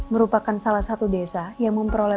merupakan salah satu desa yang memperoleh